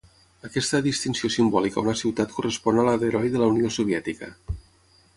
Aquesta distinció simbòlica a una ciutat correspon a la d'Heroi de la Unió Soviètica.